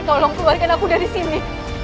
tolong keluarkan aku dari sini